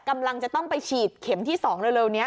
กำลังจะต้องไปฉีดเข็มที่๒เร็วนี้